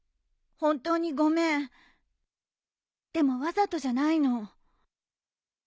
ホントにごめんでもわざとじゃないの。